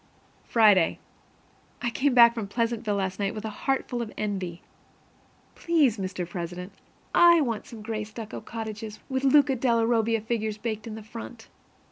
Friday. I came back from Pleasantville last night with a heart full of envy. Please, Mr. President, I want some gray stucco cottages, with Luca della Robbia figures baked into the front.